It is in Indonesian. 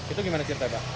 itu gimana cerita pak